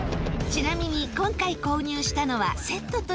ちなみに今回購入したのはセットという買い方。